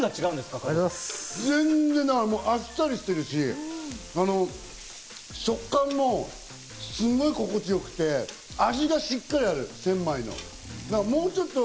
あっさりしてるし、食感も心地よくて、味がしっかりある、センマイの。